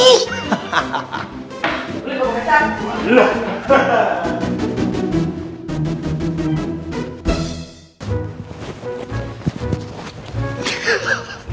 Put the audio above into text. boleh bawa pesan